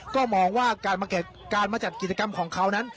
ก็มองว่าการมาจัดกิจกรรมของเขานั้น